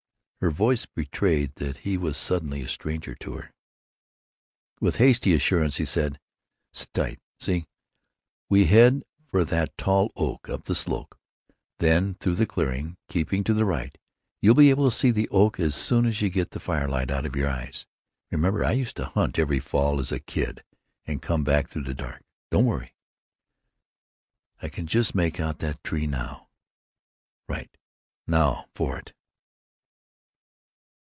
Her voice betrayed that he was suddenly a stranger to her. With hasty assurance he said: "Sit tight! See. We head for that tall oak, up the slope, then through the clearing, keeping to the right. You'll be able to see the oak as soon as you get the firelight out of your eyes. Remember I used to hunt every fall, as a kid, and come back through the dark. Don't worry." "I can just make out the tree now." "Right. Now for it."